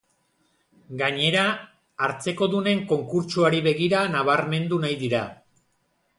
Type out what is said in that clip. Gainera, hartzekodunen konkurtsoari begira nabarmendu nahi dira.